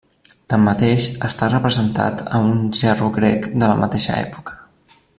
Tanmateix, està representat a un gerro grec de la mateixa època.